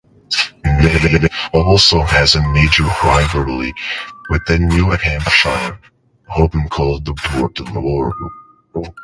Maine also has a major rivalry with New Hampshire, often called "The Border War".